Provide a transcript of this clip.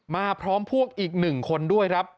มาพร้อมพวกอีก๑คนด้วยครับ